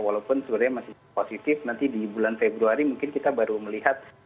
walaupun sebenarnya masih positif nanti di bulan februari mungkin kita baru melihat